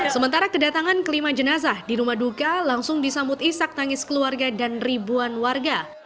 sementara kedatangan kelima jenazah di rumah duka langsung disambut isak tangis keluarga dan ribuan warga